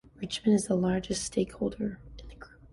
Richemont is the largest shareholder in the enlarged Group.